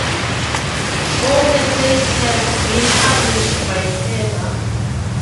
All her plays have been published by Faber.